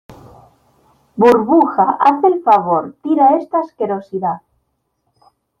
burbuja, haz el favor , tira esta asquerosidad